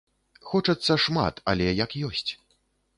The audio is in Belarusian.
Хочацца шмат, але як ёсць.